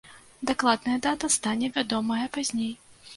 Дакладная дата стане вядомая пазней.